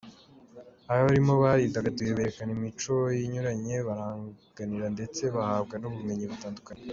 Abarimo baridagaduye, berekana imico inyuranye, baraganira ndetse bahabwa nubumenyi butandukanye.